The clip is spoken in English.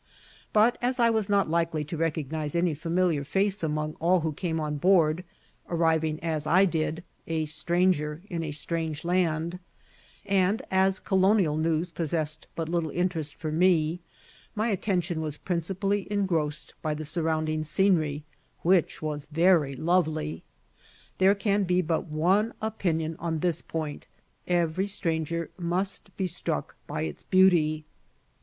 But, as I was not likely to recognise any familiar face among all who came on board, arriving as I did, a "stranger in a strange land," and as colonial news possessed but little interest for me, my attention was principally engrossed by the surrounding scenery, which was very lovely. There can be but one opinion on this point; every stranger must be struck by its beauty.